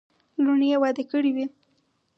لوڼي یې واده کړې وې.